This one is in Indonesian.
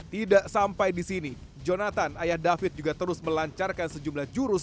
tidak sampai di sini jonathan ayah david juga terus melancarkan sejumlah jurus